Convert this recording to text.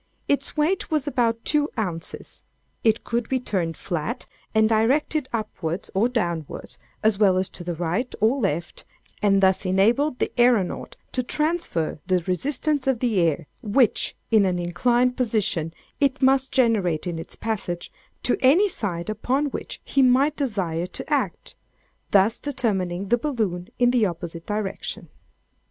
Its weight was about two ounces. It could be turned flat, and directed upwards or downwards, as well as to the right or left; and thus enabled the æronaut to transfer the resistance of the air which in an inclined position it must generate in its passage, to any side upon which he might desire to act; thus determining the balloon in the opposite direction.